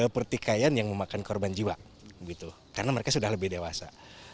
pertikaian yang memakan korban jiwa karena mereka sudah lebih dewasa